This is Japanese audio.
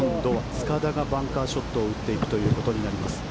塚田がバンカーショットを打っていくことになります。